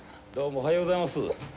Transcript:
おはようございます。